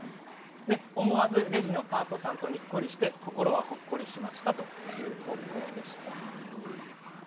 思わずレジのパートさんとにっこりして心は、ほっこりしましたという投稿でした。